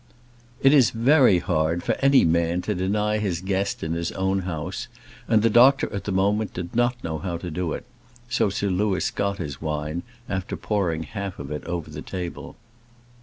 It is very hard for any man to deny his guest in his own house, and the doctor, at the moment, did not know how to do it; so Sir Louis got his wine, after pouring half of it over the table.